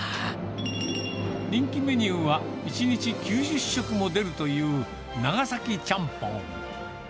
人気メニューは、１日９０食も出るという長崎ちゃんぽん。